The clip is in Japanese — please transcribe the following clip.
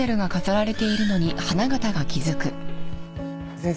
先生。